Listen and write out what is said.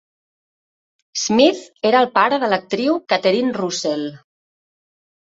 Smith era el pare de l'actiu Catherine Russell.